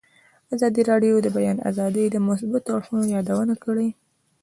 ازادي راډیو د د بیان آزادي د مثبتو اړخونو یادونه کړې.